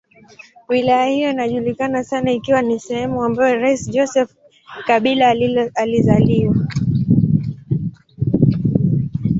Wilaya hiyo inajulikana sana ikiwa ni sehemu ambayo rais Joseph Kabila alizaliwa.